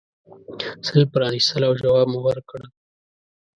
سل پرانیستل او جواب مو ورکړ.